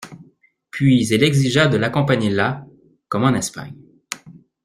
Puis elle exigea de l'accompagner là, comme en Espagne.